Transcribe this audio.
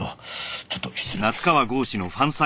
ちょっと失礼。